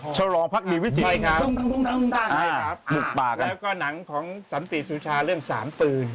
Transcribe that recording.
ฉลองพักมีวิธีครับบุกปากแล้วก็หนังของสันติสุชาเรื่องสารปืน